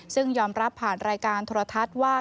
ซึ่งยอมรับผ่านรายการโทรทัศน์ว่า